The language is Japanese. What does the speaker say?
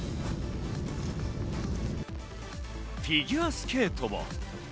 フィギュアスケートも。